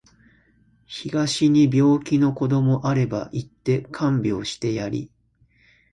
東に病気の子どもあれば行って看病してやり